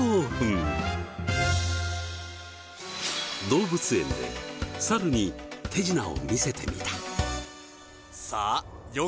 動物園でサルに手品を見せてみた。